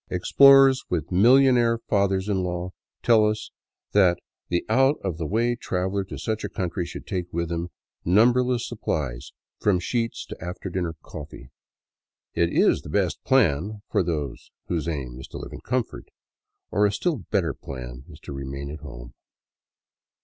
Explorers with millionaire fathers in law tell us that the out of the way traveler to such a country should take with him numberless supplies, from sheets to after dinner coffee. It is the best plan, for those whose aim is to live in comfort — or a still better plan is to remain at home.